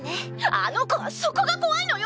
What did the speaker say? あの子はそこが怖いのよ！